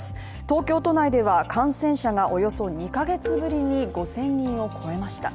東京都内では感染者がおよそ２カ月ぶりに５０００人を超えました。